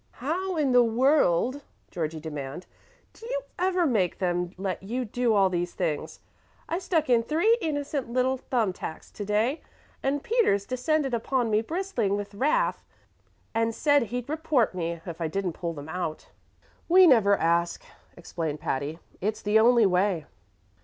"How in the world," Georgie demanded, "do you ever make them let you do all these things? I stuck in three innocent little thumb tacks to day, and Peters descended upon me bristling with wrath, and said he'd report me if I didn't pull them out." "We never ask," explained Patty. "It's the only way."